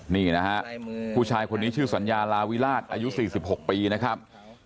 นี่นะฮะผู้ชายคนนี้ชื่อสัญญาลาวิราชอายุ๔๖ปีนะครับ